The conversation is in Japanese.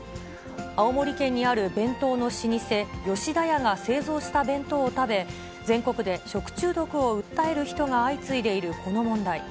青森県にある弁当の老舗、吉田屋が製造した弁当を食べ、全国で食中毒を訴える人が相次いでいるこの問題。